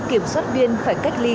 kiểm soát viên phải cách ly